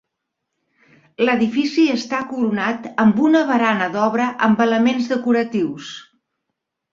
L'edifici està coronat amb una barana d'obra amb elements decoratius.